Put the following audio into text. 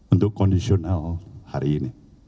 untuk conditional hari ini